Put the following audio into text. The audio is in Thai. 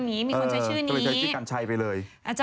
ก็ได้ชื่อกัญชัยไปเลย